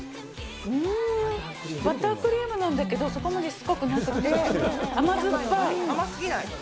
バタークリームなんだけど、そこまでしつこくなくて、甘酸っぱい。